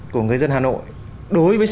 của người dân hà nội đối với